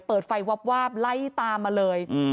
เปิดไฟวาบไล่ตามมาเลย